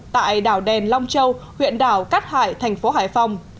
tại đảo đèn long châu huyện đảo cát hải thành phố hải phòng